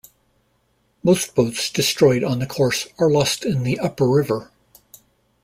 Most boats destroyed on the course are lost in the upper river.